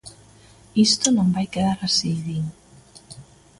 Isto non vai quedar así, din.